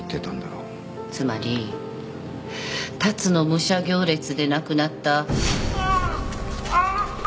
つまり龍野武者行列で亡くなった。